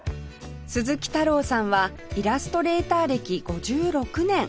鈴木太郎さんはイラストレーター歴５６年